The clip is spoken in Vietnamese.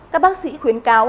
các bác sĩ khuyến cáo